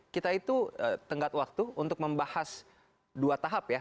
kita itu tenggat waktu untuk membahas dua tahap ya